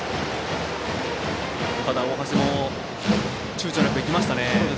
大橋もちゅうちょなくいきましたね。